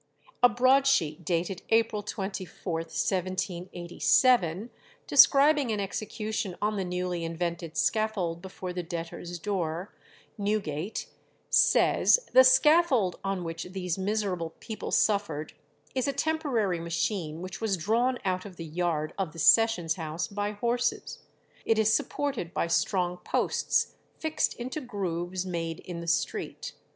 A broadsheet dated April 24th, 1787, describing an execution on the newly invented scaffold before the debtors' door, Newgate, says, "The scaffold on which these miserable people suffered is a temporary machine which was drawn out of the yard of the sessions house by horses; ... it is supported by strong posts fixed into grooves made in the street